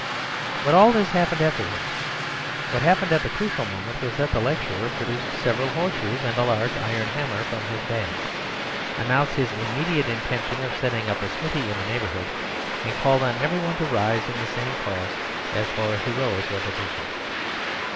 But all this happened afterwards. What happened at the crucial moment was that the lecturer produced several horseshoes and a large iron hammer from his bag, announced his immediate intention of setting up a smithy in the neighbourhood, and called on every one to rise in the same cause as for a heroic revolution.